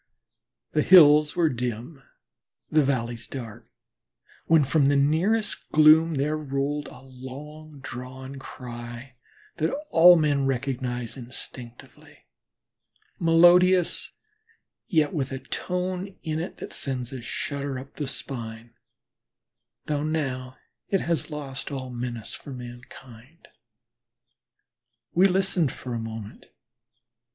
The hills were dim, the valleys dark, when from the nearest gloom there rolled a long drawn cry that all men recognize instinctively melodious, yet with a tone in it that sends a shudder up the spine, though now it has lost all menace for mankind. We listened for a moment.